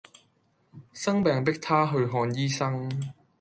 生病迫她去看醫生